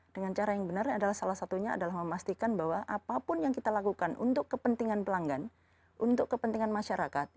dengan cara yang benar adalah salah satunya adalah memastikan bahwa apapun yang kita lakukan untuk kepentingan pelanggan untuk kepentingan masyarakat